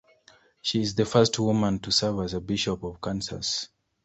She is the first woman to serve as bishop of Kansas.